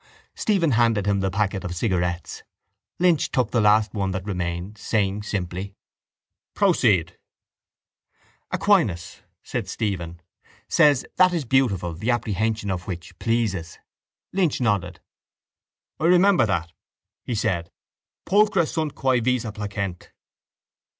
Stephen handed him the packet of cigarettes. Lynch took the last one that remained, saying simply: —Proceed! —Aquinas, said Stephen, says that is beautiful the apprehension of which pleases. Lynch nodded. —I remember that, he said, _Pulcra sunt quæ visa placent.